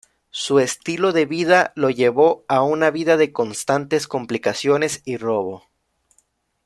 Su estilo de vida lo llevó a una vida de constantes complicaciones y robo.